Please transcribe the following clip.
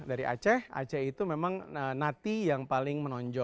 aceh memang nanti yang paling menonjol